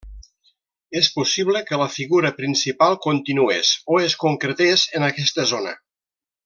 És possible que la figura principal continués o es concretés en aquesta zona.